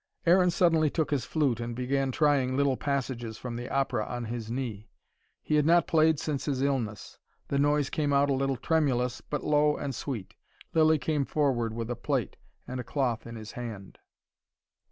Aaron suddenly took his flute, and began trying little passages from the opera on his knee. He had not played since his illness. The noise came out a little tremulous, but low and sweet. Lilly came forward with a plate and a cloth in his hand.